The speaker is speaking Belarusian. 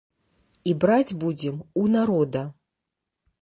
І браць будзем у народа.